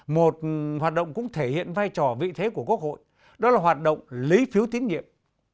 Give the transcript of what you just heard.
một hoạt động cũng thể hiện vai trò vị thế của quốc hội đó là hoạt động lấy phiếu tín nhiệm